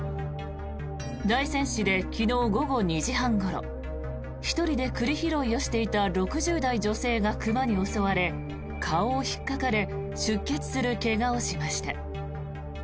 大仙市で昨日午後２時半ごろ１人で栗拾いをしていた６０代女性が熊に襲われ顔を引っかかれ出血する怪我をしました。